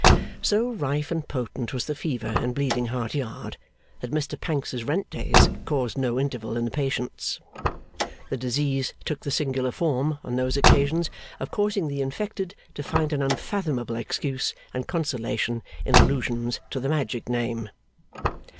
So rife and potent was the fever in Bleeding Heart Yard, that Mr Pancks's rent days caused no interval in the patients. The disease took the singular form, on those occasions, of causing the infected to find an unfathomable excuse and consolation in allusions to the magic name.